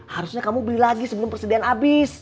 harusnya kamu beli lagi sebelum persediaan habis